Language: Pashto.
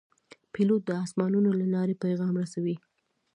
پیلوټ د آسمانونو له لارې پیغام رسوي.